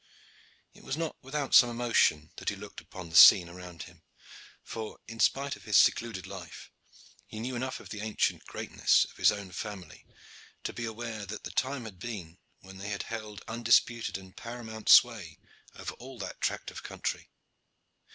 It was not without some emotion that he looked upon the scene around him, for, in spite of his secluded life, he knew enough of the ancient greatness of his own family to be aware that the time had been when they had held undisputed and paramount sway over all that tract of country.